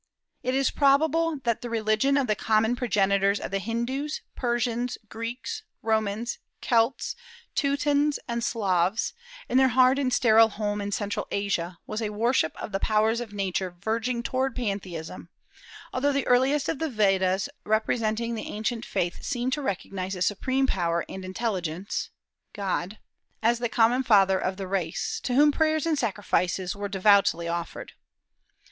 It is probable that the religion of the common progenitors of the Hindus, Persians, Greeks, Romans, Kelts, Teutons, and Slavs, in their hard and sterile home in Central Asia, was a worship of the powers of Nature verging toward pantheism, although the earliest of the Vedas representing the ancient faith seem to recognize a supreme power and intelligence God as the common father of the race, to whom prayers and sacrifices were devoutly offered.